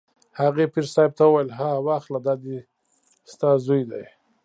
هغې پیر صاحب ته وویل: ها واخله دا دی ستا زوی دی.